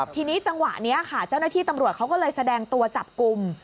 ทีนี้จังหวะนี้ค่ะเจ้าหน้าที่ตำรวจเขาก็เลยแสดงตัวจับกลุ่ม